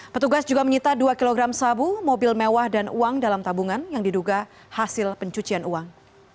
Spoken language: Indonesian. petugas juga menyita dua kg sabu mobil mewah dan uang dalam tabungan yang diduga hasil pencucian uang